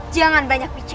jangan banyak bicara